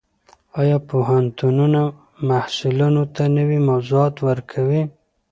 ایا پوهنتونونه محصلانو ته نوي موضوعات ورکوي؟